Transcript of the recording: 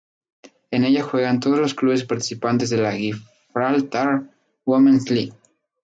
En ella juegan todos los clubes participantes de la Gibraltar Women's League.